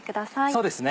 そうですね。